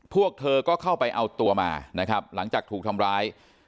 พวกเธอก็เข้าไปเอาตัวมานะครับหลังจากถูกทำร้าย